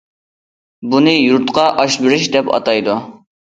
بۇنى يۇرتقا ئاش بېرىش دەپ ئاتايدۇ.